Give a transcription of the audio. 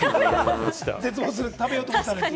絶望する、食べようと思ったのに。